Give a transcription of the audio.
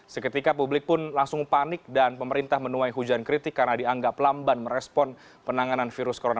seketika publik pun langsung panik dan pemerintah menuai hujan kritik karena dianggap lamban merespon penanganan virus corona